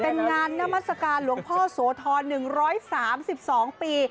เป็นงานนามัศกาลหลวงพ่อโสธร๑๓๒ปี